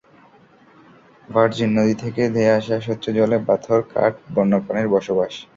Virgin নদী থেকে ধেয়ে আসা স্বচ্ছ জলে পাথর, কাঠ, বন্যপ্রাণীর বসবাস।